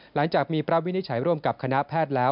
หลังจากมีพระวินิจฉัยร่วมกับคณะแพทย์แล้ว